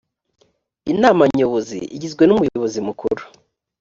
inama nyobozi igizwe n umuyobozi mukuru